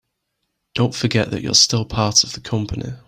Don't forget that you're still part of the company.